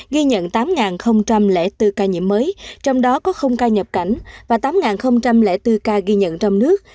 ghi nhận tám bốn ca nhiễm mới trong đó có ca nhập cảnh và tám bốn ca ghi nhận trong nước